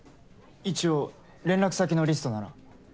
一応連絡先のリストなら。